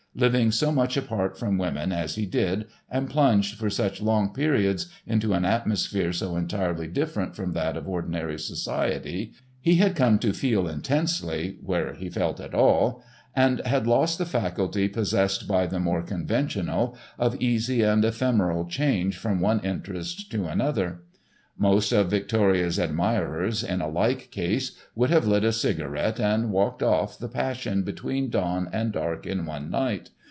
Living so much apart from women as he did and plunged for such long periods into an atmosphere so entirely different from that of ordinary society, he had come to feel intensely where he felt at all, and had lost the faculty possessed by the more conventional, of easy and ephemeral change from one interest to another. Most of Victoria's admirers in a like case, would have lit a cigarette and walked off the passion between dawn and dark in one night.